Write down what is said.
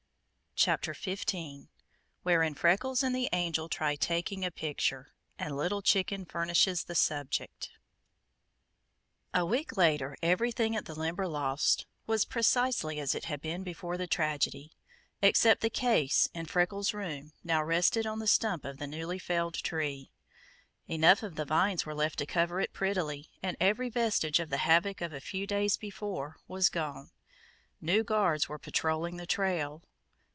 CHAPTER XV Wherein Freckles and the Angel Try Taking a Picture, and Little Chicken Furnishes the Subject A week later everything at the Limberlost was precisely as it had been before the tragedy, except the case in Freckles' room now rested on the stump of the newly felled tree. Enough of the vines were left to cover it prettily, and every vestige of the havoc of a few days before was gone. New guards were patrolling the trail.